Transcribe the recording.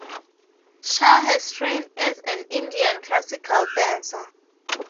Shah has trained as an Indian classical dancer.